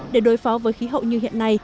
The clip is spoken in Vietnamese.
để đối phó với khí hậu như hiện nay